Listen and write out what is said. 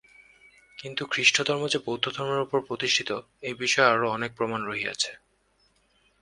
কিন্তু খ্রীষ্টধর্ম যে বৌদ্ধধর্মের উপর প্রতিষ্ঠিত, এই বিষয়ে আরও অনেক প্রমাণ রহিয়াছে।